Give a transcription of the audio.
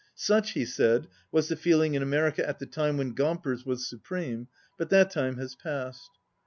"Such," he said, "was the feeling in America at the time when Gompers was supreme, but that time has passed."